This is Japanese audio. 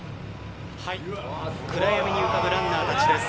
暗闇に浮かぶランナーたちです。